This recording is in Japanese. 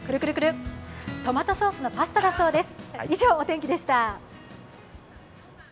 トマトソースのパスタだそうです。